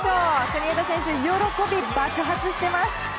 国枝選手、喜び爆発しています。